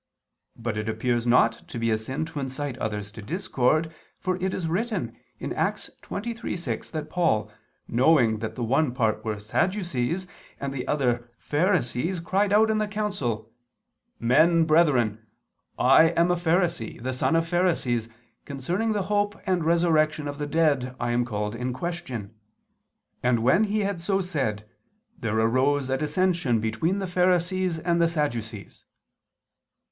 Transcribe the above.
But it appears not to be a sin to incite others to discord, for it is written (Acts 23:6) that Paul, knowing that the one part were Sadducees, and the other Pharisees, cried out in the council: "Men brethren, I am a Pharisee, the son of Pharisees, concerning the hope and resurrection of the dead I am called in question. And when he had so said, there arose a dissension between the Pharisees and the Sadducees."